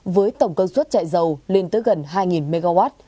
với tổng công suất chạy dầu lên tới gần hai mw